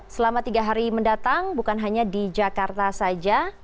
selama tiga hari mendatang bukan hanya di jakarta saja